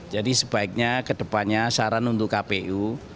jadi sebaiknya ke depannya saran untuk kpu